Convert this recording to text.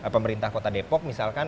pemerintah kota depok misalkan